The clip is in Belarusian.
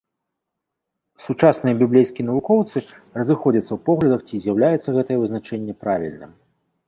Сучасныя біблейскія навукоўцы разыходзяцца ў поглядах, ці з'яўляецца гэтае вызначэнне правільным.